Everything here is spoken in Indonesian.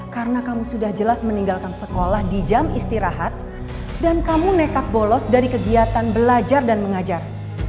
karena kamu sudah jelas meninggalkan sekolah di jam istirahat dan kamu nekat bolos dari kegiatan belajar dan mengajar